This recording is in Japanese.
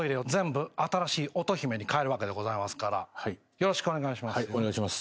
よろしくお願いします。